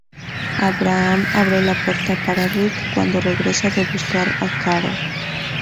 Abraham abre la puerta para Rick cuando regresa de buscar a Carol.